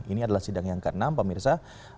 ini adalah sidang yang ke enam pemirsa